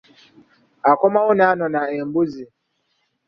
Akomawo n'anona embuzi.